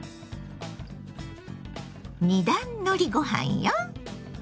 二段のりご飯よ。